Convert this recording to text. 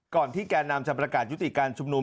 ก่อนที่แก่นำจะประกาศยุติการชุมนุม